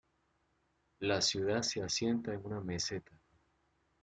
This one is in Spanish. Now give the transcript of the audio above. La ciudad se asienta en una meseta.